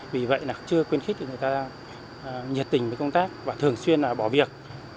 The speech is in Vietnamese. vì vậy là chưa quyên khích được người ta nhiệt tình với công tác và thường xuyên bỏ việc